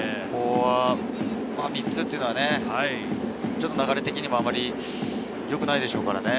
３つというのはちょっと流れ的にもあまり良くないでしょうからね。